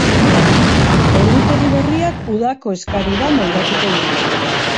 Ordutegi berriak udako eskarira moldatuko dituzte.